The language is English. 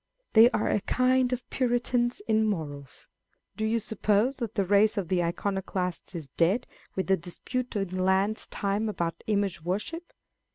They are a kind of Puritans in morals. Do you suppose that the race of the Iconoclasts is dead with the dispute in Laud's time about image worship